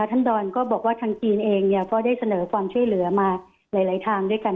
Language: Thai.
อาทรณ์ดอนก็บอกว่าทางกินเองเนี่ยเพราะได้เสนอความช่วยเหลือมาหลายหลายทางด้วยกัน